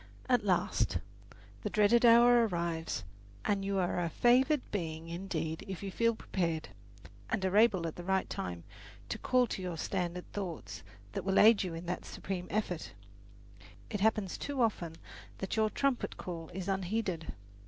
At last the dreaded hour arrives, and you are a favoured being indeed if you feel prepared, and are able at the right time to call to your standard thoughts that will aid you in that supreme effort. It happens too often that your trumpet call is unheeded.